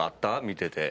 見てて。